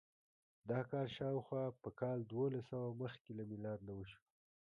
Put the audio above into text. دا کار شاوخوا په کال دوولسسوه مخکې له میلاد نه وشو.